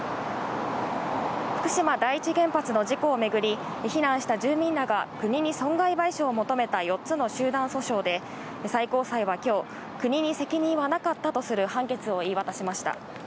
福島第一原発の事故を巡り、避難した住民らが国に損害賠償を求めた４つの集団訴訟で、最高裁はきょう、国に責任はなかったとする判決を言い渡しました。